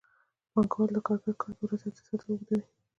پانګوال د کارګر کار چې د ورځې اته ساعته دی اوږدوي